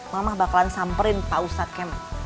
mama bakalan samperin pak ustadz kem